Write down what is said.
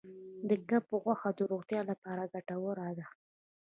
د کب غوښه د روغتیا لپاره ګټوره ده.